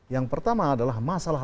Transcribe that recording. yang pertama adalah masalah